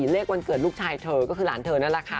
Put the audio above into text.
เลขวันเกิดลูกชายเธอก็คือหลานเธอนั่นแหละค่ะ